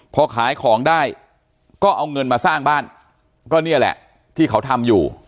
พอขายของได้ก็เอาเงินมาสร้างบ้านก็เนี่ยแหละที่เขาทำอยู่